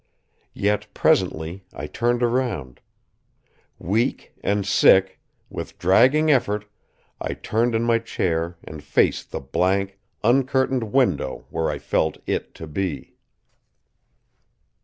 Yet, presently, I turned around. Weak and sick, with dragging effort I turned in my chair and faced the black, uncurtained window where I felt It to be.